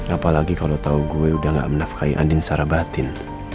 apalagi kalau tahu gue udah gak menafkai andin secara batin